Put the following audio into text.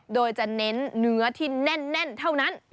โดยจะเน้นเนื้อที่แน่นเท่านั้น